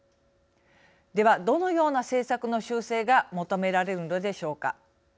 では、どのような政策の修正が求められるのでしょうか。